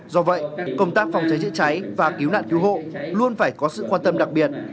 do vậy công tác phòng cháy chữa cháy và cứu nạn cứu hộ luôn phải có sự quan tâm đặc biệt